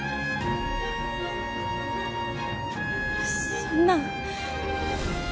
そんな。